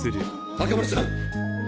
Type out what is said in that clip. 赤丸さん！